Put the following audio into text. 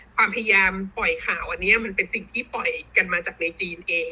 ความพยายามปล่อยข่าวอันนี้มันเป็นสิ่งที่ปล่อยกันมาจากในจีนเอง